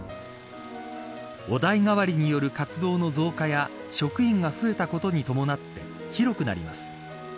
お代替わりによる活動の増加や職員が増えたことに伴って広くなります。